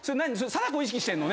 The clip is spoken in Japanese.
貞子意識してんの？